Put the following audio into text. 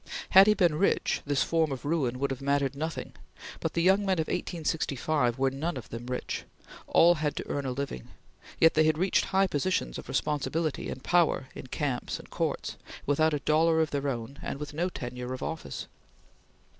Had he been rich, this form of ruin would have mattered nothing; but the young men of 1865 were none of them rich; all had to earn a living; yet they had reached high positions of responsibility and power in camps and Courts, without a dollar of their own and with no tenure of office.